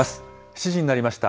７時になりました。